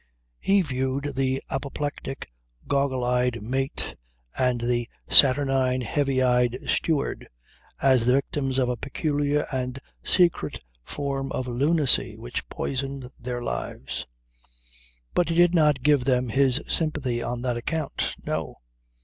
He viewed the apoplectic, goggle eyed mate and the saturnine, heavy eyed steward as the victims of a peculiar and secret form of lunacy which poisoned their lives. But he did not give them his sympathy on that account. No.